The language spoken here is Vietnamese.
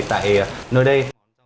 tại nơi đây